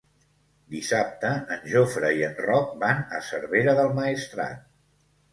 Dissabte en Jofre i en Roc van a Cervera del Maestrat.